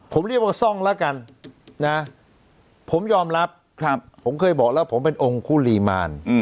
ผมเรียกว่าซ่องแล้วกันนะผมยอมรับผมเคยบอกแล้วผมเป็นองค์คุรีมาร